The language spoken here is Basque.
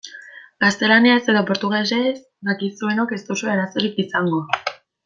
Gaztelaniaz edo portugesez dakizuenok ez duzue arazorik izango.